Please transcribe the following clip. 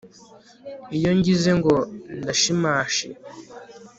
iyo ngize ngo ndashingashinga, urampiga nk'intare